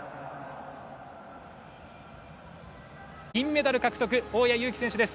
銀メダル獲得大矢勇気選手です。